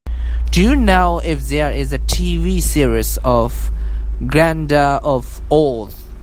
do you know if there is a TV series of Glinda of Oz?